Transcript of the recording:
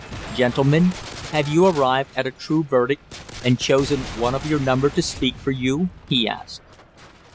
"Gentlemen, have you arrived at a true verdict, and chosen one of your number to speak for you?" he asked.